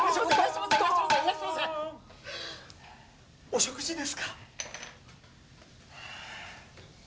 お食事ですか？